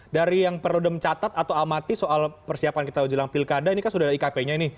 dari yang perlu demcatat atau amati soal persiapan kita jelang pilkada ini kan sudah ada ikp nya ini